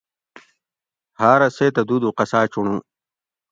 ہاۤرہ سیتہ دو دو قصاۤ چُنڑو